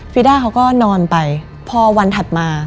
ีด้าเขาก็นอนไปพอวันถัดมา